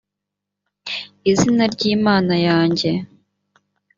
izina ry imana yanjye